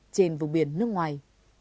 trên vùng biển nước ngoài